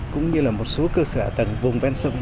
cũng như là một số cơ sở ả tầng vùng ven sông